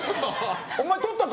「お前取ったか」